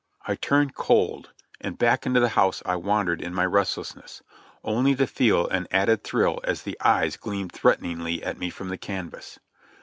I turned cold, and back into the house I wandered in my restlessness, only to feel an added thrill as the eyes gleamed threateningly at me from the canvas.